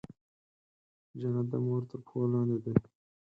جنت د مور تر پښو لاندې دی.